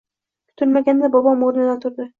Kutilmaganda bobom o`rnidan turdi